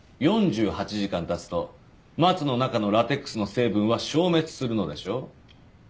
４８時間経つとマツの中のラテックスの成分は消滅するのでしょう？